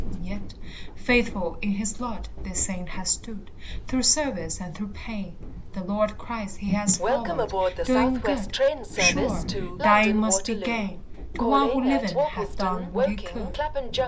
Yet, faithful in his lot this saint has stood Through service and through pain; The Lord Christ he has followed, doing good; Sure, dying must be gain To one who living hath done what he could.